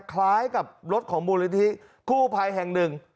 คล้ายกับรถของบุรีธีคู่ภัยแห่งหนึ่ง